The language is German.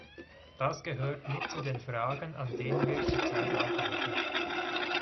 Das gehört mit zu den Fragen, an denen wir zurzeit arbeiten.